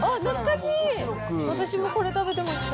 私もこれ食べてました。